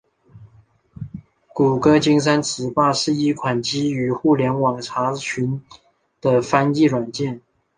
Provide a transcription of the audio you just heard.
谷歌金山词霸是一款基于互联网查询的翻译软件。